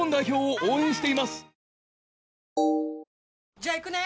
じゃあ行くね！